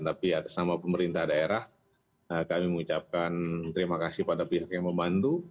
tapi atas nama pemerintah daerah kami mengucapkan terima kasih pada pihak yang membantu